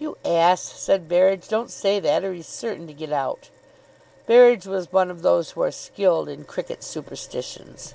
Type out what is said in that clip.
"You ass," said Berridge. "Don't say that, or he's certain to get out." Berridge was one of those who are skilled in cricket superstitions.